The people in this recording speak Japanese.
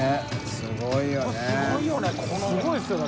すごいですよね。